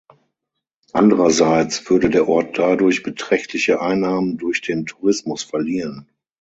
Andererseits würde der Ort dadurch beträchtliche Einnahmen durch den Tourismus verlieren.